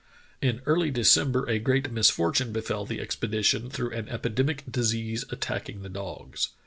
In early December a great misfortune befell the expedition through an epidemic disease attacking the dogs.